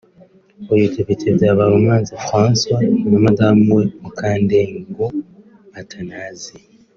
uyu Depite Byabarumwanzi François na madamu we Mukandengo Athanasie